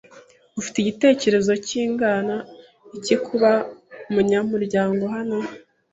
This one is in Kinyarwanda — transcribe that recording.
Ufite igitekerezo cyingana iki kuba umunyamuryango hano?